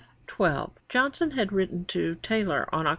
[F 12] Johnson had written to Taylor on Oct.